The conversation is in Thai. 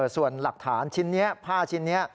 ส่วนหลักฐานชิ้นนี้ผ้าชิ้นนี้